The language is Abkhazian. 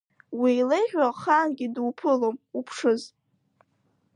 Уи илеиӷьу ахаангьы дуԥылом, уԥшыз!